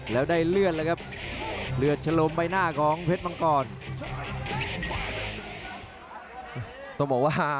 แล้วฟันเลยครับ